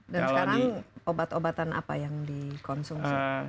dan sekarang obat obatan apa yang dikonsumsi